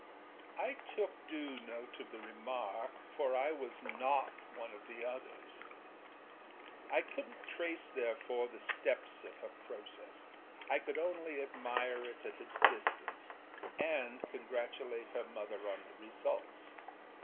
â I took due note of the remark, for I was not one of the âothers.â I couldnât trace therefore the steps of her process; I could only admire it at a distance and congratulate her mother on the results.